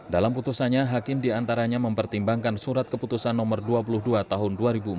dalam putusannya hakim diantaranya mempertimbangkan surat keputusan nomor dua puluh dua tahun dua ribu empat belas